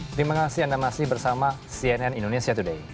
terima kasih anda masih bersama cnn indonesia today